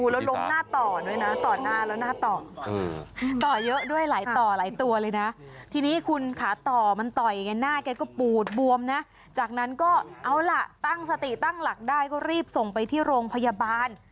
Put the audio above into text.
แล้วล้มหน้าต่อด้วยนะต่อหน้าแล้วหน้าต่อต่อเยอะด้วยหลายต่อหลายตัวเลยนะทีนี้คุณขาต่อมันต่อยไงหน้าแกก็ปูดบวมนะจากนั้นก็เอาล่ะตั้งสติตั้งหลักได้ก็รีบส่งไปที่โรงพยาบาล